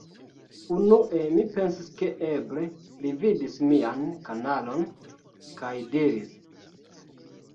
Unue mi pensis ke eble li vidis mian kanalon, kaj diris: